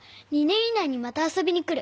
２年以内にまた遊びに来る。